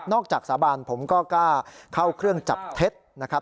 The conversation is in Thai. จากสาบานผมก็กล้าเข้าเครื่องจับเท็จนะครับ